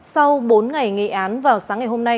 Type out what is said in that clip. sau bốn ngày nghị án vào sáng ngày hôm nay